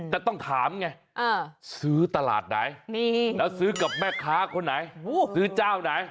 แต่ต้องถามไงซื้อตลาดไหนแล้วซื้อกับแม่ค้าคนไหนซื้อเจ้าไหน